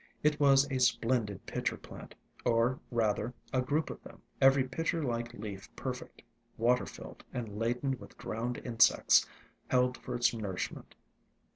It was a splendid Pitcher plant, or rather a group of them, every pitcher like leaf perfect, water filled and laden with drowned insects held for its nourishment.